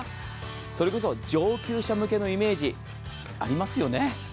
それこそ上級者向けのイメージありますよね。